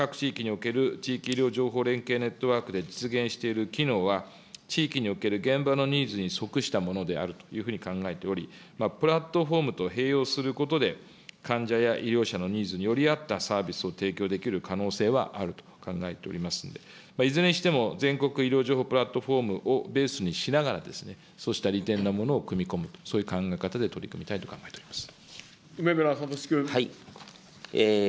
その上で、各地域における地域医療情報連携ネットワークで実現している機能は地域における現場のニーズに即したものであるというふうに考えており、プラットフォームと併用することで、患者や医療者のニーズにより合ったサービスを提供できる可能性はあると考えておりますので、いずれにしても全国医療情報プラットフォームをベースにしながらですね、そうした利点なものを組み込むと、そういう考え方で取り組みたいと考えております。